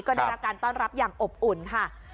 ก็ได้รับการต้อนรับอย่างอบอุ่นค่ะ